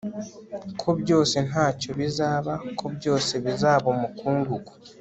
ko byose ntacyo bizaba, ko byose bizaba umukungugu